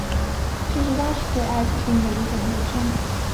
这是当时对艾滋病的一种误称。